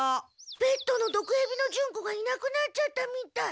ペットの毒ヘビのジュンコがいなくなっちゃったみたい。